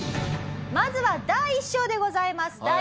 まずは第一章でございます。